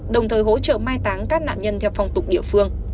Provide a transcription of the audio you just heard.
đồng thời hỗ trợ mai táng các nạn nhân theo phong tục địa phương